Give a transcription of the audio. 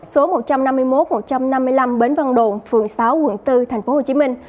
số một trăm năm mươi một một trăm năm mươi năm bến văn đồn phường sáu quận bốn tp hcm